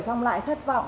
xong lại thất vọng